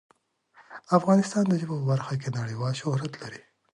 افغانستان د ژبو په برخه کې نړیوال شهرت لري.